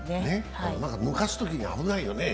抜かすときに危ないよね。